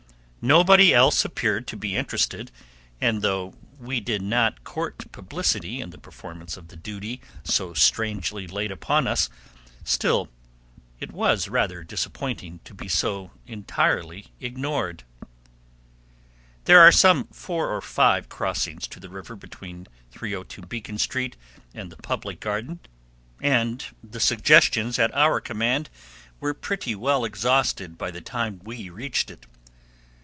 Nobody else appeared to be interested, and though we did not court publicity in the performance of the duty so strangely laid upon us, still it was rather disappointing to be so entirely ignored. There are some four or five crossings to the river between 302 Beacon Street and the Public Garden, and the suggestions at our command were pretty well exhausted by the time we reached it.